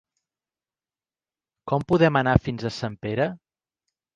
Com podem anar fins a Sempere?